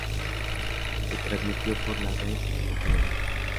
Se transmitió por la red O Globo.